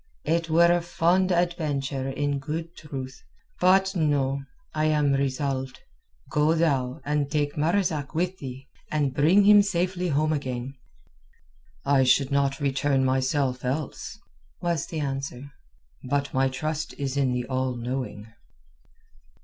"It were a fond adventure in good truth. But no...I am resolved. Go thou and take Marzak with thee, and bring him safely home again." "I should not return myself else," was the answer. "But my trust is in the All knowing."